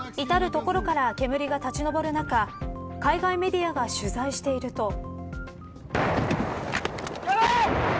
至る所から煙が立ち上る中海外メディアが取材していると。